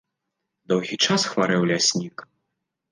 Доўгі час хварэў ляснік.